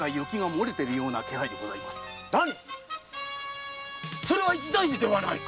何それは一大事ではないか